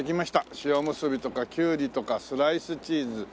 塩むすびとかキュウリとかスライスチーズかにかま！